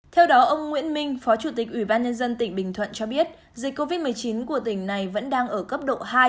theo đó ông nguyễn minh phó chủ tịch ủy ban nhân dân tỉnh bình thuận cho biết dịch covid một mươi chín của tỉnh này vẫn đang ở cấp độ hai